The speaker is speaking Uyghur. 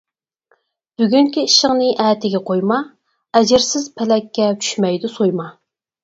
بۈگۈنكى ئىشىڭنى ئەتىگە قويما، ئەجىرسىز پەلەككە چۈشمەيدۇ سويما.